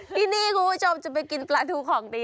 ที่นี่คุณผู้ชมจะไปกินปลาทูของดี